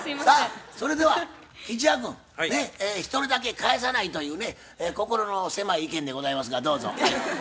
さあそれでは吉弥君一人だけ返さないというね心の狭い意見でございますがどうぞ。